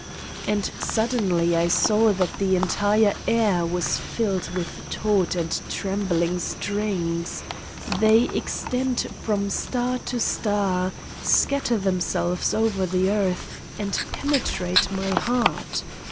And sud denly I saw that the entire air was filled with taut and trembling strings : they extend from star to star, scatter themselves over the earth and pene trate my heart